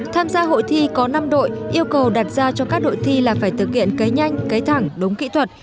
tham gia hội thi có năm đội yêu cầu đặt ra cho các đội thi là phải thực hiện cấy nhanh cấy thẳng đúng kỹ thuật